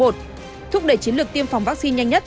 thúc đẩy chiến lược tiêm phòng vaccine nhanh nhất